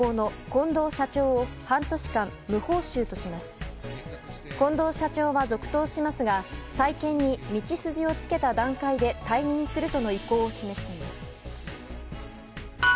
近藤社長は続投しますが再建に道筋をつけた段階で退任するとの意向を示しています。